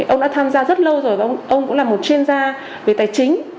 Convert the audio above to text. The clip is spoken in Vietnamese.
ông đã tham gia rất lâu rồi và ông cũng là một chuyên gia về tài chính